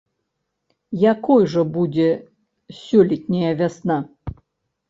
Якой жа будзе сёлетняя вясна?